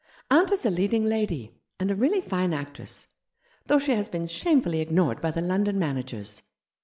Aunt is a leading lady, and a really fine actress, though she has been shamefully ignored by the London managers.